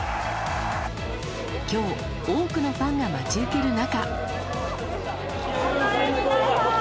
今日、多くのファンが待ち受ける中。